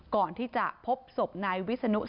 ก่อนที่จะพบศพนายวิศนุ